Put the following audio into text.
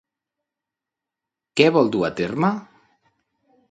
Què vol dur a terme?